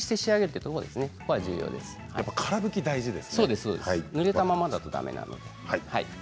そうですぬれたままだとだめなので。